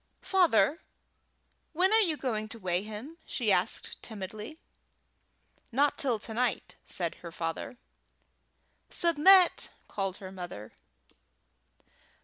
"Father, when are you going to weigh him?" she asked timidly. "Not till to night," said her father. "Submit!" called her mother.